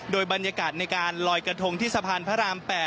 โดยบรรยากาศในการลอยกระทงที่สะพานพระราม๘